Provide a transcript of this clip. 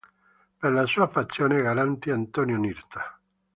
Per la sua fazione garantì Antonio Nirta.